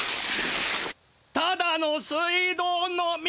ただの水道の水！？